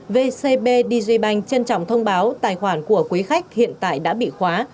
vcb digibank trân trọng thông báo tài khoản của quý khách hiện tại đã bị khóa